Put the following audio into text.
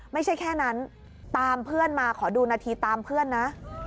ไม่ใช่แค่นั้นตามเพื่อนมาขอดูนาทีตามเพื่อนนะ